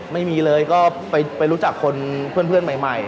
ไม่มีเลยก็ไปรู้จักคนเพื่อนใหม่